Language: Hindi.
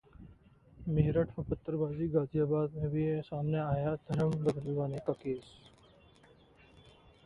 मेरठ में पत्थरबाजी, गाजियाबाद में भी सामने आया धर्म बदलवाने का केस